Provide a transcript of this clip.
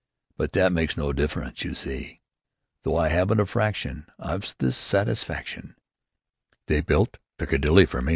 But that makes no diff'rence, you see. Though I haven't a fraction, I've this satisfaction, They built Piccadilly for me."